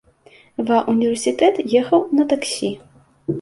Ва ўніверсітэт ехаў на таксі.